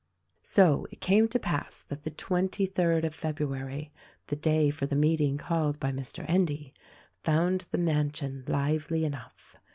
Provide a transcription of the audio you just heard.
So it came to pass that the twenty third day of February (the day for the meeting called by Mr. Endy) found the mansion lively enough.